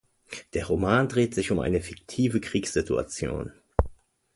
Der Roman dreht sich um eine fiktive Kriegssituation.